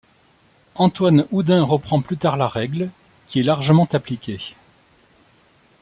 Antoine Oudin reprend plus tard la règle, qui est largement appliquée.